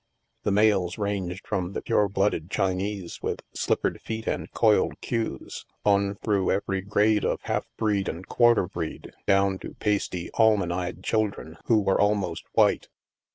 The males ranged from the pure blooded Chinese with slippered feet and coiled queues, on through every grade of half breed and quarter breed, down to pasty almond eyed children who were almost white.